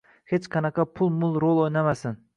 Hech qanaqa pul-mul rol o‘ynamasin.